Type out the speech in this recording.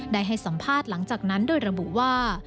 ได้ให้สัมภาษณ์หลังจากนั้นโดยระบุว่า